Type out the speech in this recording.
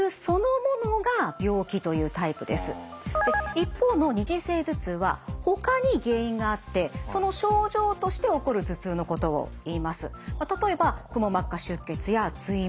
一方の二次性頭痛はほかに原因があってその症状として起こる頭痛のことをいいます。